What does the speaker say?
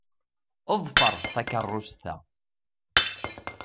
Ḍfeṛ takeṛṛust-a.